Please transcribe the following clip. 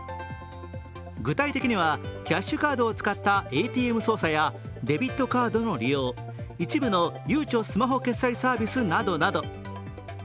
具体的には、キャッシュカードを使ったＡＴＭ操作やデビットカードの利用、一部のゆうちょスマホ決済サービスなどなど。